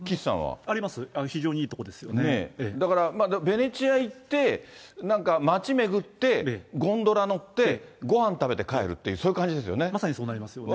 あります、非常にいい所ですだから、ベネチア行って、なんか街巡って、ゴンドラ乗って、ごはん食べて帰るっていう、そうまさにそうなりますよね。